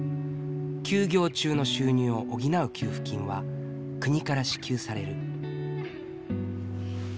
休業中の収入を補う給付金は国から支給される。